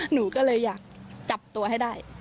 หนูก็เลยอยากจับตัวให้ได้